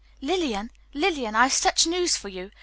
"Lillian, Lillian, I've such news for you!